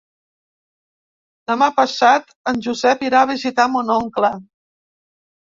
Demà passat en Josep irà a visitar mon oncle.